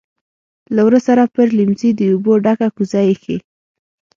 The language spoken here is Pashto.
لهٔ ورهٔ سره پر لیمڅي د اوبو ډکه کوزه ایښې.